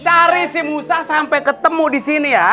cari si usah sampe ketemu disini ya